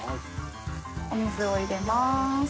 お水を入れます。